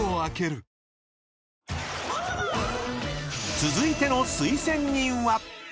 ［続いての推薦人は］